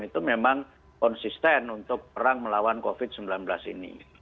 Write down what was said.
itu memang konsisten untuk perang melawan covid sembilan belas ini